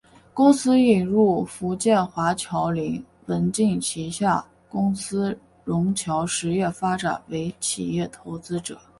公司引入福建华侨林文镜旗下公司融侨实业发展为企业投资者。